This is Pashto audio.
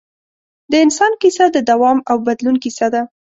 د انسان کیسه د دوام او بدلون کیسه ده.